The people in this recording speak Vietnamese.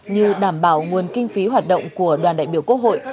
như đảm bảo nguồn kinh phí hoạt động của đoàn đại biểu quốc hội